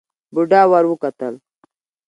بوډا ور وکتل.